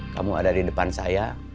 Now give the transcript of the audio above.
kamu ada di depan saya